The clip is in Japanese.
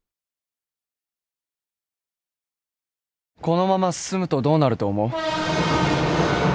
このまま進むとどうなると思う？